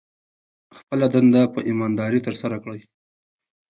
خپله دنده په ایمانداري ترسره کړئ.